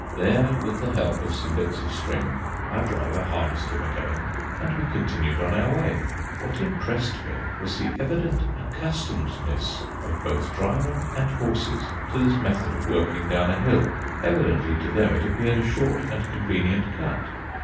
There, with the help of some bits of string, our driver harnessed him again, and we continued on our way. What impressed me was the evident accustomedness of both driver and horses to this method of working down a hill. Evidently to them it appeared a short and convenient cut.